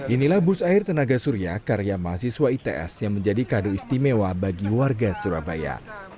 inilah bus air tenaga surya karya mahasiswa its yang menjadi kado istimewa bagi warga surabaya